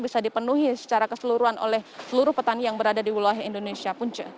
bisa dipenuhi secara keseluruhan oleh seluruh petani yang berada di wilayah indonesia punca